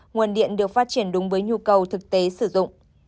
nguồn điện được phát triển đúng với nhu cầu thực tế sử dụng